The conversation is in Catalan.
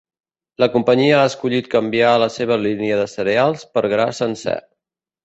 La companyia ha escollit canviar la seva línia de cereals per gra sencer.